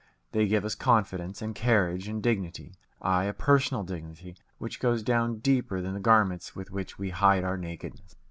They give us confidence and carriage and dignity ay, a personal dignity which goes down deeper than the garments with which we hide our nakedness.